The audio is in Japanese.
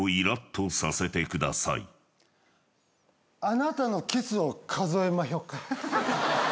あなたのキスを数えまひょか？